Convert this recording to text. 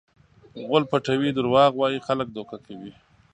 غول پټوي؛ دروغ وایي؛ خلک دوکه کوي.